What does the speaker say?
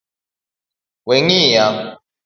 Weng’iya